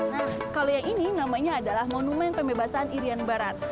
nah kalau yang ini namanya adalah monumen pembebasan irian barat